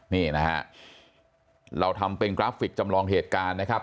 นี่นะฮะเราทำเป็นกราฟิกจำลองเหตุการณ์นะครับ